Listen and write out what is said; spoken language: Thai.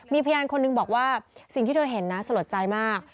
มีพยานคนนึงบอกว่าสิ่งที่เธอเห็นนะสลดใจมาก